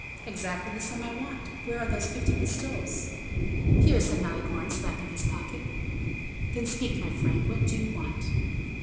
"Exactly the sum I want. Where are those fifty pistoles?" "Here," said Malicorne, slapping his pocket. "Then speak, my friend; what do you want?"